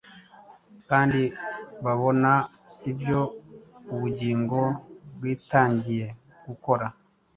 kandi babona ibyo ubugingo bwitangiye gukora